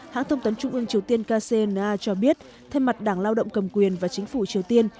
hãng thông tấn trung ương triều tiên kcna cho biết thay mặt đảng lao động cầm quyền và chính phủ triều tiên